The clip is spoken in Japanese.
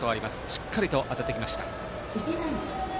しっかりと当ててきました。